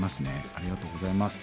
ありがとうございます。